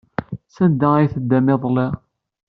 Sanda ay teddam iḍelli?